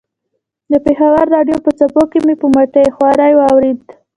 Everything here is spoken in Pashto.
د پېښور راډیو په څپو کې مې په مټې خوارۍ واورېده.